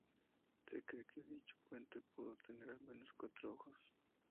Se cree que dicho puente pudo tener al menos cuatro ojos.